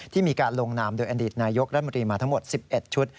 ที่มีการลงนามโดยอดีตนายกรัฐมนตรีมาทั้งหมด๑๑ชุด